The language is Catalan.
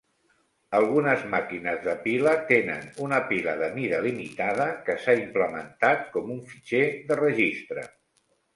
Algunes màquines de pila tenen una pila de mida limitada que s'ha implementat com un fitxer de registre.